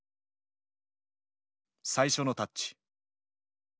最初のタッチ。